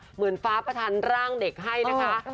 เหมือนฟ้าประทันร่างเด็กให้นะคะ